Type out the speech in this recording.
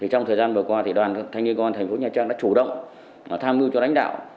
trong thời gian vừa qua đoàn thanh niên công an tp nha trang đã chủ động tham mưu cho đánh đạo